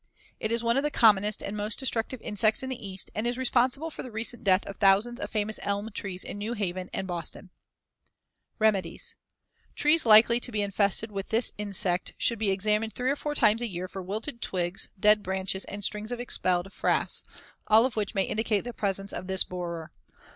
Fig. 106. It is one of the commonest and most destructive insects in the East and is responsible for the recent death of thousands of the famous elm trees in New Haven and Boston. Fig. 107. [Illustration: FIG. 106. The Leopard Moth.] Remedies: Trees likely to be infested with this insect should be examined three or four times a year for wilted twigs, dead branches, and strings of expelled frass; all of which may indicate the presence of this borer.